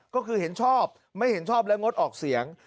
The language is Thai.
ก็คือเห็นชอบไม่เห็นชอบและงดออกเสียง